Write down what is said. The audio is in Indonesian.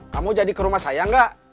kamu jadi ke rumah saya enggak